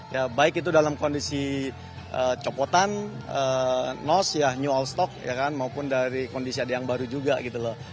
ya baik itu dalam kondisi copotan nos ya new all stock ya kan maupun dari kondisi ada yang baru juga gitu loh